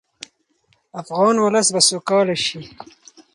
افغان ولس به سوکاله شي.